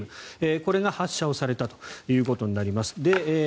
これが発射されたということになります。